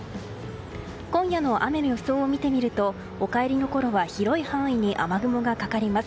今夜の雨の予想を見てみるとお帰りのころは広い範囲に雨雲がかかります。